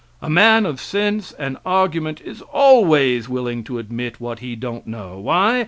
A man of sense and argument is always willing to admit what he don't know why?